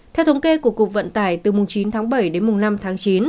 theo thống kê của cục vận tải từ chín tháng bảy đến năm tháng chín